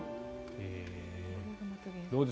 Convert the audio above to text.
どうです？